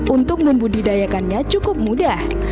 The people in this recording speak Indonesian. untuk membudidayakannya cukup mudah